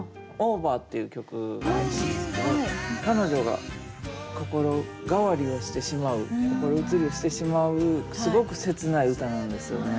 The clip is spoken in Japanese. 「Ｏｖｅｒ」っていう曲があるんですけど彼女が心変わりをしてしまう心移りをしてしまうすごく切ない歌なんですよね。